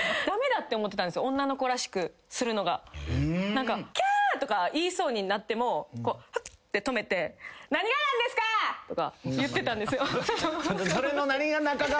何かキャーとか言いそうになってもこう止めて何がなんですか！？とか言ってたんですよ。